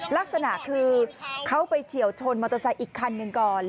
ลักษณะคือเขาไปเฉียวชนมอเตอร์ไซค์อีกคันหนึ่งก่อน